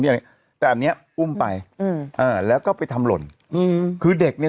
อะไรเนี้ยแต่อันเนี้ยอุ้มไปอืมอ่าแล้วก็ไปทำหล่นอืมคือเด็กเนี้ย